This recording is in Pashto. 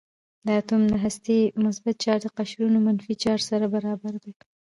د اتوم د هستې مثبت چارج د قشرونو منفي چارج سره برابر دی.